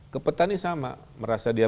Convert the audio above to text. kepetani sama merasa dia